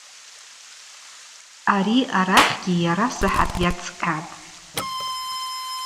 Ари арахьгьи йарасахӏат йацӏкъьатӏ.